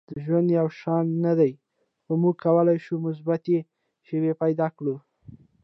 • ژوند یو شان نه دی، خو موږ کولی شو مثبتې شیبې پیدا کړو.